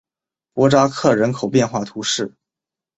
博扎克人口变化图示